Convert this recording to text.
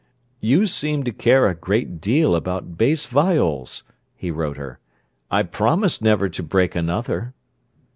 "You seem to care a great deal about bass viols!" he wrote her. "I promise never to break another."